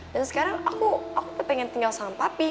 dan sekarang aku aku pengen tinggal sama papi